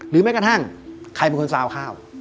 แม้กระทั่งใครเป็นคนซาวข้าว